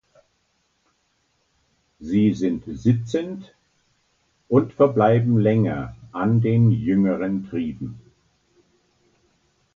Sie sind sitzend und verbleiben länger an den jüngeren Trieben.